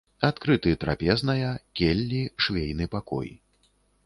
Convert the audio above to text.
Адкрыты трапезная, келлі, швейны пакой.